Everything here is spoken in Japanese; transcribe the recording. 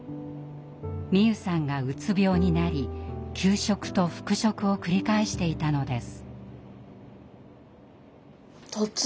美夢さんがうつ病になり休職と復職を繰り返していたのです。